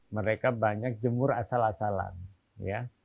mereka banyak jemur asal asalan ya